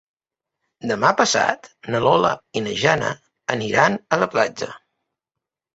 Demà passat na Lola i na Jana aniran a la platja.